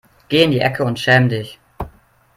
Geh in die Ecke und schäme dich.